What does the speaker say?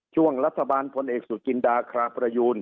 ช่วงรัฐบาลพลเอกสุจินดาคราประยูน